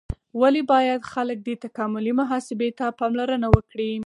ولې باید خلک دې تکاملي محاسبې ته پاملرنه وکړي؟